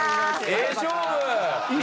ええ勝負！